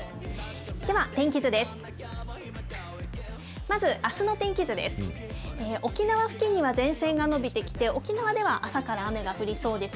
では、天気図です。